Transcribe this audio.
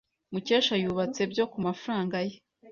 Mukesha yubatse byose kumafaranga ye.